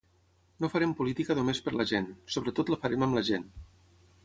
No farem política només per la gent; sobretot la farem amb la gent.